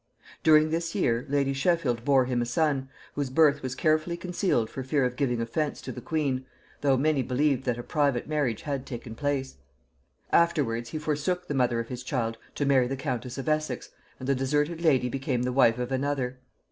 During this year, lady Sheffield bore him a son, whose birth was carefully concealed for fear of giving offence to the queen, though many believed that a private marriage had taken place. Afterwards he forsook the mother of his child to marry the countess of Essex, and the deserted lady became the wife of another.